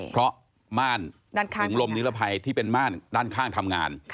เพราะม่านถุงลมนิรภัยที่เป็นม่านด้านข้างทำงาน